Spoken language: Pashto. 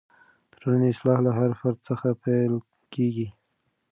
د ټولنې اصلاح له هر فرد څخه پیل کېږي.